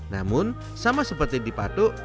namun sama seperti di padok